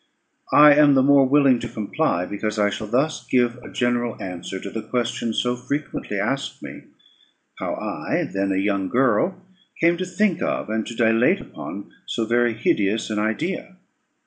I am the more willing to comply, because I shall thus give a general answer to the question, so very frequently asked me "How I, when a young girl, came to think of, and to dilate upon, so very hideous an idea?"